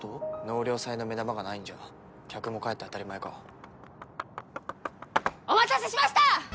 納涼祭の目玉がないんじゃ客も帰って当たり前かお待たせしました！